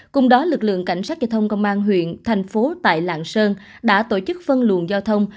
cùng đó lực lượng cảnh sát giao thông công an huyện thành phố tại lạng sơn đã tổ chức phân luồn giao thông